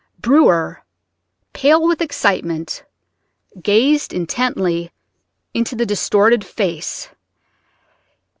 Brewer, pale with excitement, gazed intently into the distorted face.